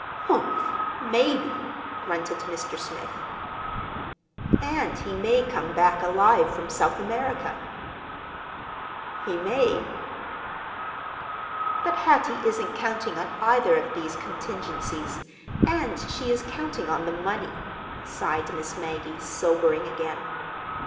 "Humph! Maybe," grunted Mr. Smith. "And he may come back alive from South America" "He may." "But Hattie isn't counting on either of these contingencies, and she is counting on the money," sighed Miss Maggie, sobering again.